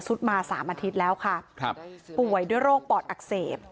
มาสามอาทิตย์แล้วค่ะครับป่วยด้วยโรคปอดอักเสบ